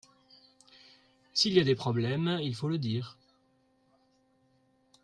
S’il y a des problèmes il faut le dire.